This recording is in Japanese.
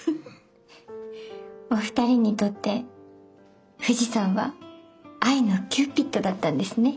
お二人にとって富士山は愛のキューピッドだったんですね。